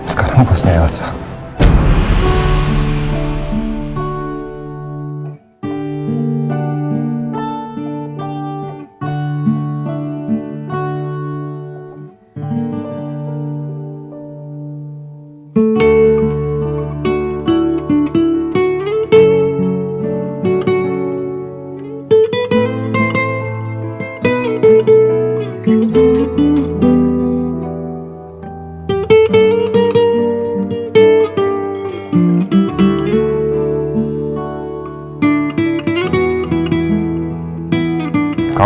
sekarang bosnya elsa